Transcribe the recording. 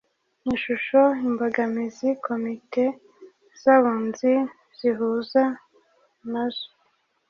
ishusho imbogamizi komite z abunzi zihura nazo